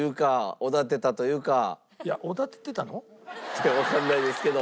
それはわかんないですけど。